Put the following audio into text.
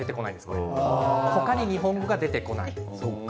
ここに日本語が出てこない。